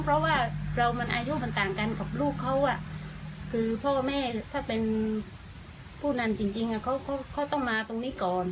แต่การคำขอโทษต้องมีให้ก่อน